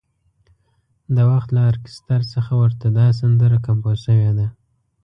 د وخت له ارکستر څخه ورته دا سندره کمپوز شوې ده.